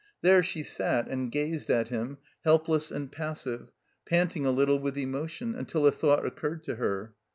There she sat and gazed at him, helpless and passive, panting a little with emotion ; until a thought occurred to her.